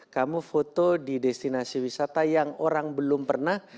kamu foto di destinasi wisata yang orang belum pernah